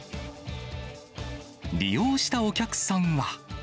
利用したお客さんは。